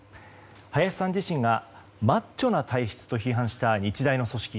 林さん自身がマッチョな体質と批判した日大の組織。